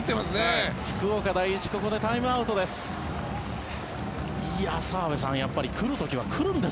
福岡第一ここでタイムアウトです。